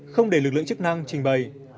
không để lực lượng chức năng trình bày